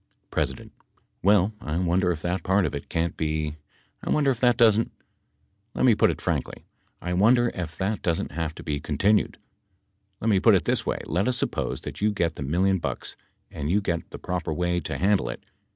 60 P. Well, I wonder if that part of it can't be — I wonder if that doesn't — let me put it frankly : I wonder if that doesn't have to be continued ? Let me put it this way : let us suppose that you get the million bucks, and you get the proper way to handle it.